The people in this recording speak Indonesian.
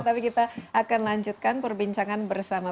tapi kita akan lanjutkan perbincangan bersama